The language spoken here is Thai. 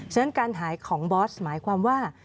ฉะนั้นการหายของบอสหมายความว่า